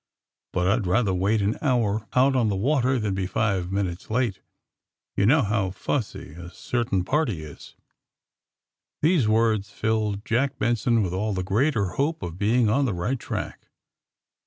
But I'd rather wait an honr, ont on the water, than be five minntes late. You know how fussy a cer tain party is." These words filled Jack Benson with all the greater hope of being on the right track.